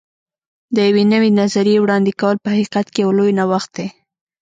د یوې نوې نظریې وړاندې کول په حقیقت کې یو لوی نوښت دی.